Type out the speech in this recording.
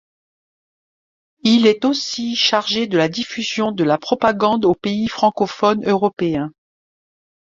Il est aussi chargé de la diffusion de la propagande aux pays francophones européens.